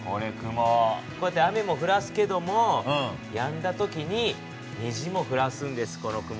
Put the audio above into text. こうやって雨もふらすけどもやんだ時ににじもふらすんですこの雲は。